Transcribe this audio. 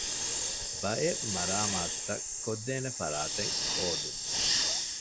ބައެއް މަރާމާތުތައް ކޮށްދޭނެ ފަރާތެއް ހޯދުން